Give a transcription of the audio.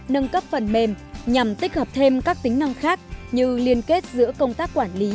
nâng cấp phần mềm nhằm tích hợp thêm các tính năng khác như liên kết giữa công tác quản lý